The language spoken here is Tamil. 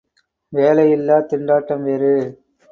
வேலையில்லாத் திண்டாட்டம் வேறு!